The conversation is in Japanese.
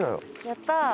やったー！